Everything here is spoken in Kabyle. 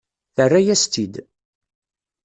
Terra-yas-tt-id.